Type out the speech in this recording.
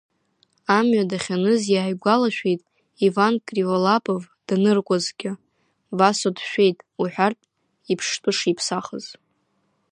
Амҩа дахьаныз иааигәалашәеит Иван Криволапов даныркуазгьы, Васо дшәеит уҳәартә иԥшҭәы шиԥсахыз.